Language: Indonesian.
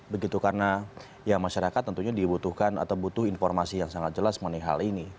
begitu karena ya masyarakat tentunya dibutuhkan atau butuh informasi yang sangat jelas mengenai hal ini